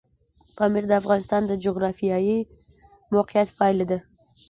پامیر د افغانستان د جغرافیایي موقیعت پایله ده.